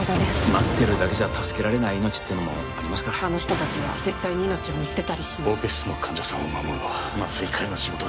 待ってるだけじゃ助けられない命ってのもありますからあの人達は絶対に命を見捨てたりしないオペ室の患者さんを守るのは麻酔科医の仕事です